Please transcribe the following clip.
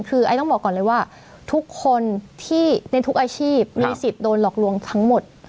คือไอ้ต้องบอกก่อนเลยว่าทุกคนที่ในทุกอาชีพมีสิทธิ์โดนหลอกลวงทั้งหมด